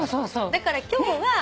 だから今日は。